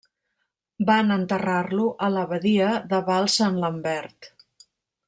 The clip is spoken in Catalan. Van enterrar-lo a l'abadia de Val Sant Lambert.